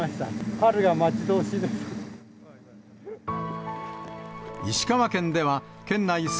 春が待ち遠しいです。